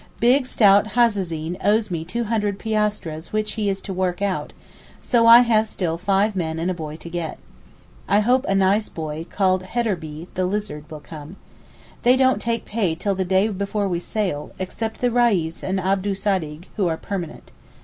Big stout Hazazin owes me 200 piastres which he is to work out, so I have still five men and a boy to get. I hope a nice boy, called Hederbee (the lizard), will come. They don't take pay till the day before we sail, except the Reis and Abdul Sadig, who are permanent.